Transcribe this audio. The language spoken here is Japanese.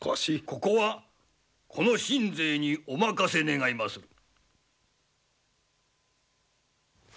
ここはこの信西にお任せ願いまする。